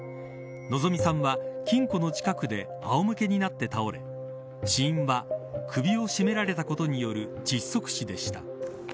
希美さんは、金庫の近くであおむけになって倒れ死因は首を絞められたことによる窒息死でした。